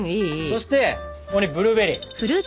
そしてここにブルーベリー。